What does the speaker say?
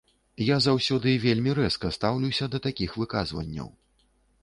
Я заўсёды вельмі рэзка стаўлюся да такіх выказванняў.